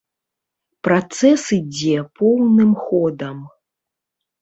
Працэс ідзе поўным ходам.